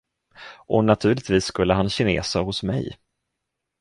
Och naturligtvis skulle han kinesa hos mig.